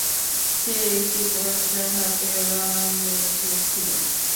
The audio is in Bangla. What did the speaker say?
সে একটি বর্শা হাতে রণাঙ্গনে ঘুরছিল।